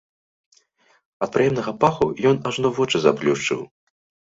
Ад прыемнага паху ён ажно вочы заплюшчыў.